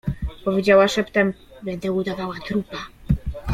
Powiedziała szeptem: — Będę udawała trupa.